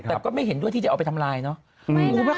แต่ก็ไม่เห็นด้วยที่จะเอาไปทำลายเนอะ